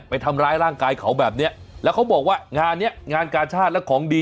ไปทำร้ายร่างกายเขาแบบเนี้ยแล้วเขาบอกว่างานเนี้ยงานกาชาติและของดี